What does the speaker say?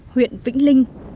huyện vĩnh linh